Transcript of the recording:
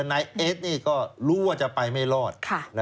นายเอสนี่ก็รู้ว่าจะไปไม่รอด